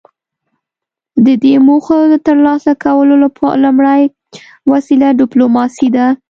د دې موخو د ترلاسه کولو لومړۍ وسیله ډیپلوماسي ده